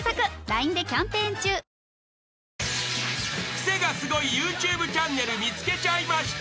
［クセがスゴいＹｏｕＴｕｂｅチャンネル見つけちゃいました］